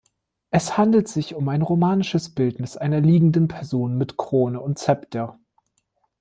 Es handelt sich um ein romanisches Bildnis einer liegenden Person mit Krone und Zepter.